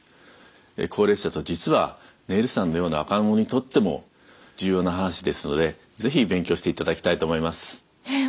高齢者と実はねるさんのような若者にとっても重要な話ですので是非勉強していただきたいと思います。